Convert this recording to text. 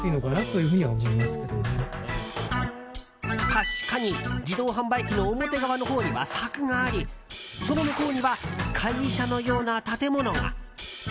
確かに自動販売機の表側のほうには柵がありその向こうには会社のような建物が。